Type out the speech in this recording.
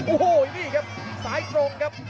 โอ้โหนี่ครับซ้ายตรงครับ